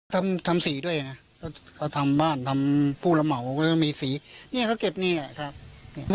ทำทำสีด้วยนะเขาทำบ้านทำผู้ระเหมาก็ต้องมีสีเนี่ยก็เก็บนี่แหละครับ